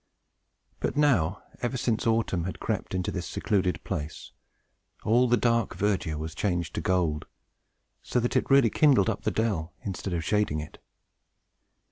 But now, ever since autumn had crept into this secluded place, all the dark verdure was changed to gold, so that it really kindled up the dell, instead of shading it.